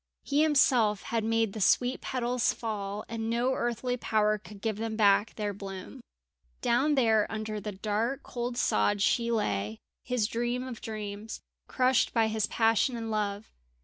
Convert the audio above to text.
He himself had made the sweet petals fall, and no earthly power could give them back their bloom. Down there under the dark cold sod she lay, his dream of dreams, crushed by his passion and love.